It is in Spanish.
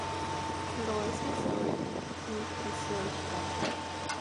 Louis, Missouri y creció en Chicago.